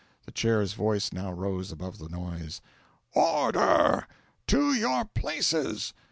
The Chair's voice now rose above the noise: "Order! To your places!